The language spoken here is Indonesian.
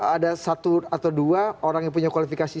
ada satu atau dua orang yang punya kualifikasi